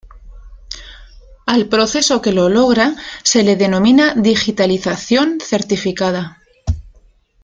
Al proceso que lo logra se le denomina "digitalización certificada".